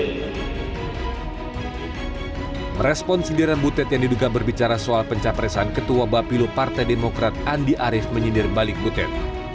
hati sikap agak kecacauan